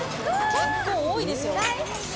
結構多いですよ。